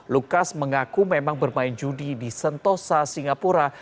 lukas mengaku memang bermain judi di sentosa singapura